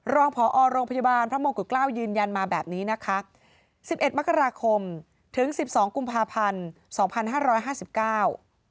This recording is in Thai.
รองพอโรงพยาบาลพระมงกุฎเกล้ายืนยันมาแบบนี้นะคะสิบเอ็ดมกราคมถึงสิบสองกุมภาพันธ์สองพันห้าร้อยห้าสิบเก้า